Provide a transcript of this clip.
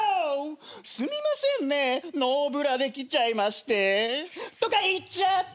すみませんねノーブラで来ちゃいまして。とか言っちゃって。